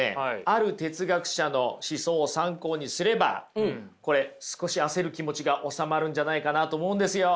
ある哲学者の思想を参考にすればこれ少し焦る気持ちが収まるんじゃないかなと思うんですよ。